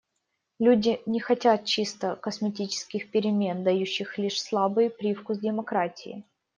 Люди не хотят чисто косметических перемен, дающих лишь слабый привкус демократии.